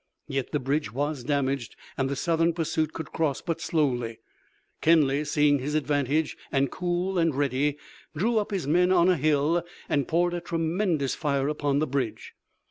Yet the bridge was damaged and the Southern pursuit could cross but slowly. Kenly, seeing his advantage, and cool and ready, drew up his men on a hill and poured a tremendous fire upon the bridge.